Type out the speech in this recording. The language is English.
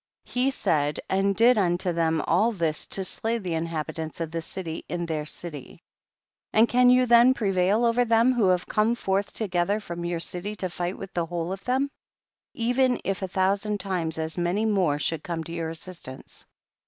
he said and did unto them all this to slay the in habitants of the city in their city. 18. And can you then prevail over them who have come forth to gether from your city to fight with the whole of them, even if a thou sand times as many more should come to your assistance.